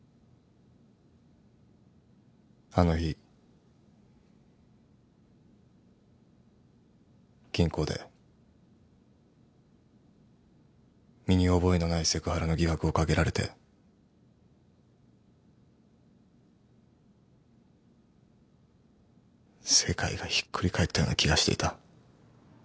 あの日銀行で身に覚えのないセクハラの疑惑を掛けられて世界がひっくり返ったような気がしていた。